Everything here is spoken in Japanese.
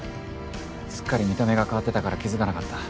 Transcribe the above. すっかり見た目が変わってたから気づかなかった。